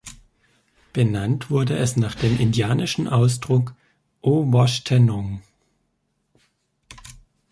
Benannt wurde es nach dem indianischen Ausdruck "O-wash-ten-nong".